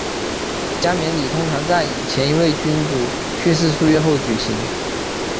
加冕礼通常在前一位君主去世数月后举行。